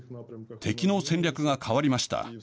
敵の戦略が変わりました。